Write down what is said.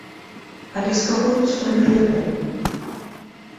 Але з каго ён сфарміруе новы?